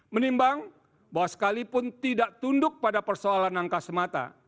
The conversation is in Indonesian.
menimbang bahwa sekalipun tidak tunduk pada persoalan angka semata